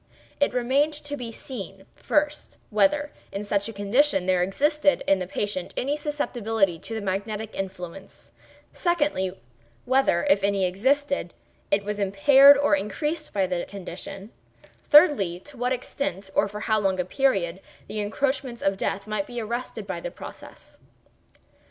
It remained to be seen, first, whether, in such condition, there existed in the patient any susceptibility to the magnetic influence; secondly, whether, if any existed, it was impaired or increased by the condition; thirdly, to what extent, or for how long a period, the encroachments of Death might be arrested by the process.